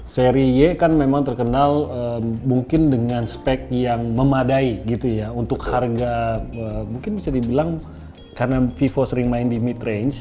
seri y kan memang terkenal mungkin dengan spek yang memadai gitu ya untuk harga mungkin bisa dibilang karena vivo sering main di mit range